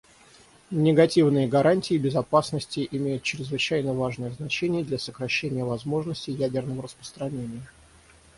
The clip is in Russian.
Негативные гарантии безопасности имеют чрезвычайно важное значение для сокращения возможностей ядерного распространения.